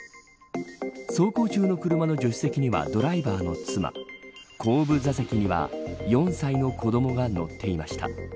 走行中の車の助手席にはドライバーの妻後部座席には４歳の子どもが乗っていました。